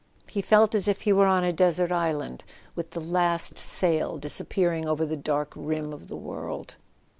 He felt as if he were on a desert island, with the last sail disappearing over the dark rim of the world.